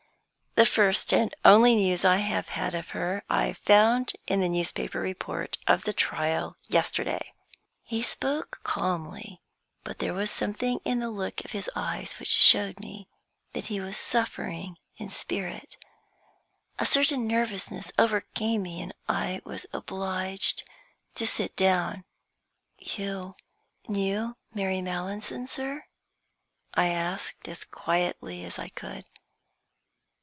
"The first and only news I have had of her I found in the newspaper report of the trial yesterday." He still spoke calmly, but there was something in the look of his eyes which showed me that he was suffering in spirit. A sudden nervousness overcame me, and I was obliged to sit down. "You knew Mary Mallinson, sir?" I asked, as quietly as I could.